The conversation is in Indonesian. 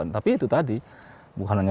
tapi itu tadi bukan hanya